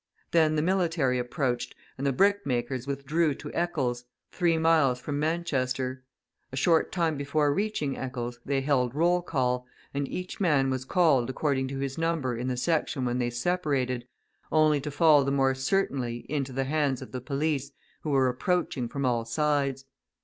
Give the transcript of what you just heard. Then the military approached, and the brickmakers withdrew to Eccles, three miles from Manchester. A short time before reaching Eccles they held roll call, and each man was called according to his number in the section when they separated, only to fall the more certainly into the hands of the police, who were approaching from all sides.